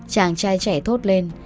chàng trai trẻ thốt lên